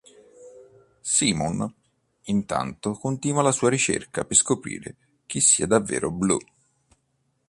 Simon, intanto, continua la sua ricerca per scoprire chi sia davvero Blue.